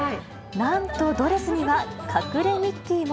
なんとドレスには隠れミッキーも。